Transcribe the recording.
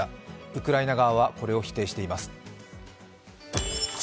ウクライナ側はこれを否定しています。